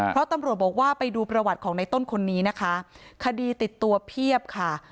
เพราะตำรวจบอกว่าไปดูประวัติของในต้นคนนี้นะคะคดีติดตัวเพียบค่ะ